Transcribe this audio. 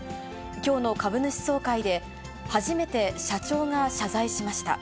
きょうの株主総会で、初めて社長が謝罪しました。